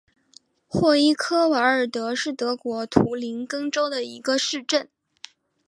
霍伊克瓦尔德是德国图林根州的一个市镇。